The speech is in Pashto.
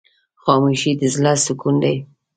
خاموشي، د زړه سکون دی.